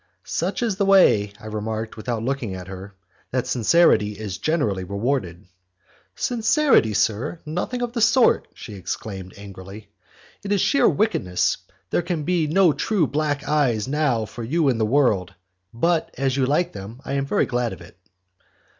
"Such is the way," I remarked, without looking at her, "that sincerity is generally rewarded." "Sincerity, sir! nothing of the sort," she exclaimed, angrily, "it is sheer wickedness. There can be no true black eyes now for you in the world, but, as you like them, I am very glad of it."